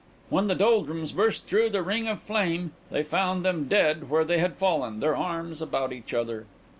When the Doldrums burst through the ring of flame, they found them dead where they had fallen, their arms about each other.